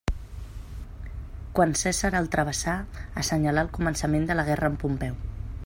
Quan Cèsar el travessà, assenyalà el començament de la guerra amb Pompeu.